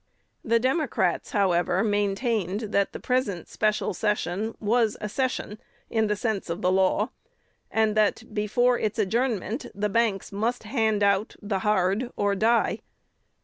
The Democrats, however, maintained that the present special session was a session in the sense of the law, and that, before its adjournment, the banks must hand out "the hard," or die.